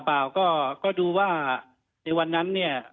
เปล่าก็ดูว่าในวันนั้น